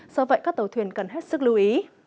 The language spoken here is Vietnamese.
do vậy các tàu thuyền cần hết sức lưu ý